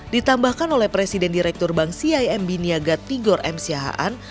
ditambahkan oleh presiden direktur bank cimb niaga tigor m siahaan